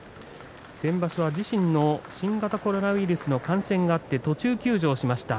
先場所は自身の新型コロナウイルスの感染があって途中休場しました。